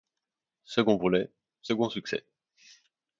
Second volet, second succès.